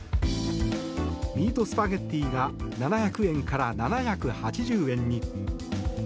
ミートスパゲッティが７００円から７８０円に。